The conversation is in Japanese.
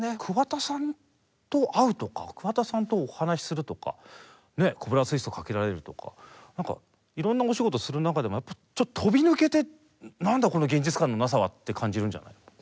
桑田さんと会うとか桑田さんとお話しするとかコブラツイストかけられるとか何かいろんなお仕事する中でもちょっと飛び抜けて何だこの現実感のなさはって感じるんじゃない？